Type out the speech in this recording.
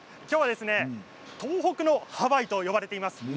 きょうは東北のハワイと呼ばれています